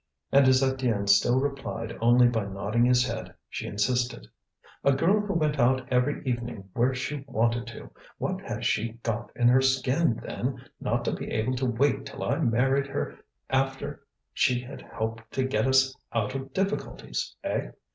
And as Étienne still replied only by nodding his head, she insisted: "A girl who went out every evening where she wanted to! What has she got in her skin, then, not to be able to wait till I married her after she had helped to get us out of difficulties? Eh?